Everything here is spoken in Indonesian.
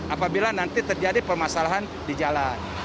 apabila nanti terjadi permasalahan di jalan